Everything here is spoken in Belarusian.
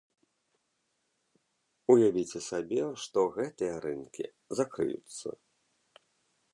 Уявіце сабе, што гэтыя рынкі закрыюцца!